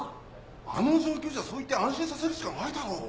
あの状況じゃそう言って安心させるしかないだろ。